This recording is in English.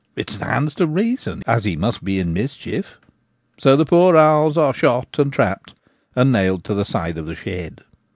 It stands to reason as he must be in mischief.' So the poor owls are shot and trapped, and nailed to the side of the shed.